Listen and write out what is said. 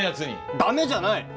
ダメじゃない！